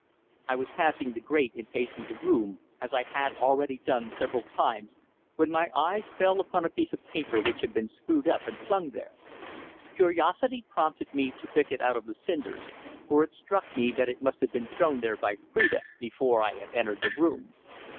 I was passing the grate in pacing the room, as I had already done several times, when my eyes fell upon a piece of paper which had been screwed up and flung there. Curiosity prompted me to pick it out of the cinders, for it struck me that it must have been thrown there by Phrida before I had entered the room.